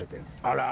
あら。